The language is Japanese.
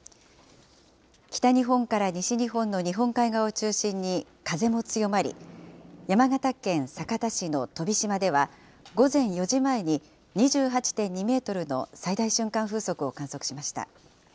北日本から西日本の日本海側を中心に風も強まり、山形県酒田市の飛島では、午前４時前に２８．２メートルの最大瞬間風速を観測しました。